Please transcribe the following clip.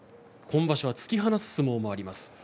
今場所は突き放す相撲もあります。